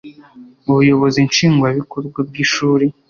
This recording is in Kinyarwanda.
ubuyobozi nshingwabikorwa bw ishuli